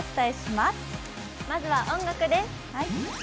まずは音楽です。